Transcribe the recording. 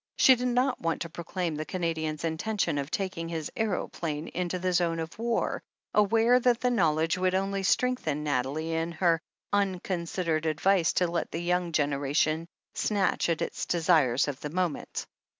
She did not want to proclaim the Canadian's intention of taking his aeroplane into the zone of war, aware that the knowledge would only strengthen Nathalie in her unconsidered advice to let the yoimg generation snatch at Its desires of the moment.